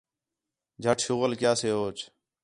جَھٹ شغل کَیا سے ہوچ